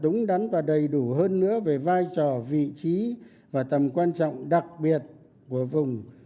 đúng đắn và đầy đủ hơn nữa về vai trò vị trí và tầm quan trọng đặc biệt của vùng